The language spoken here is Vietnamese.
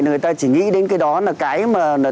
người ta chỉ nghĩ đến cái đó là cái mà